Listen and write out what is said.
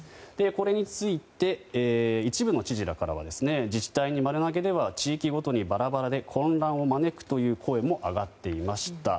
これについて一部の知事らからは自治体に丸投げでは地域ごとにバラバラで混乱を招くという声も上がっていました。